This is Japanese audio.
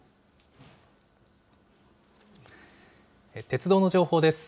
鉄道の情報です。